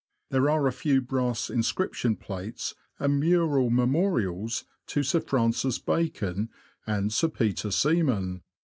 There are a few brass inscription plates and mural memorials to Sir Francis Bacon and Sir Peter Seaman.